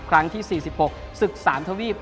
ครั้งที่๔๖ศึก๓ทวีป